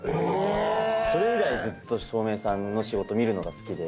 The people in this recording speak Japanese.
それ以来ずっと照明さんの仕事見るのが好きで。